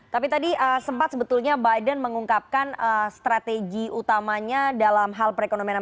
tapi tadi sempat sebetulnya biden mengungkapkan strategi utamanya dalam hal perekonomian